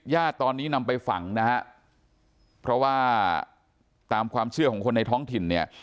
ญาติตอนนี้นำไปฝังนะฮะเพราะว่าตามความเชื่อของคนในท้องถิ่นเนี่ย